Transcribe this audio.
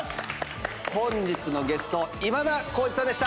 本日のゲスト今田耕司さんでした。